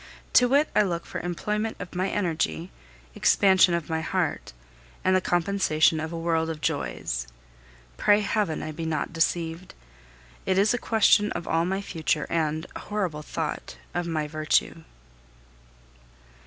To it I look for employment of my energy, expansion of my heart, and the compensation of a world of joys. Pray Heaven I be not deceived! It is a question of all my future and, horrible thought, of my virtue.